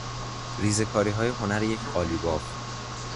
ریزه کاریهای هنر یک قالیباف